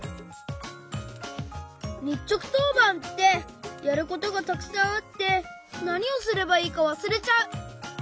にっちょくとうばんってやることがたくさんあってなにをすればいいかわすれちゃう！